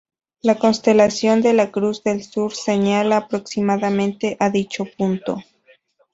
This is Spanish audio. La constelación de la Cruz del Sur señala aproximadamente a dicho punto.